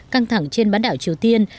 căng thẳng trên bán đảo triều tiên